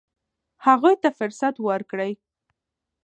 هغوی ته فرصت ورکړئ.